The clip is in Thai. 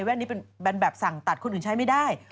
นี้เป็นแบบสั่งตัดคนอื่นใช้ไม่ได้